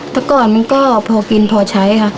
ตะกรมันก็พอกินพอใช้ค่ะ